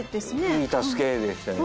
いい助けでしたよね。